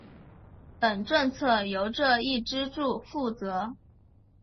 等政策由这一支柱负责。